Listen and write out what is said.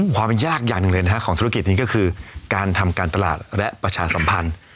ความยากอย่างหนึ่งเลยนะฮะของธุรกิจนี้ก็คือการทำการตลาดและประชาสัมพันธ์